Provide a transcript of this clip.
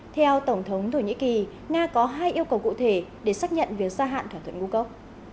theo tổng thống thổ nhĩ kỳ nga có hai yêu cầu cụ thể để xác nhận việc gia hạn thỏa thuận ngũ cốc